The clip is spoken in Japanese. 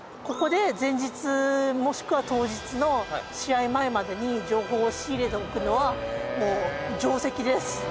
ここで前日もしくは当日の試合前までに情報を仕入れておくのはもう定石です。